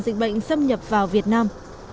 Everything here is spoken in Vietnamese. dịch bệnh xâm nhập vào việt nam